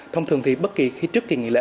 thông thường thì bất kỳ trước kỳ nghỉ lễ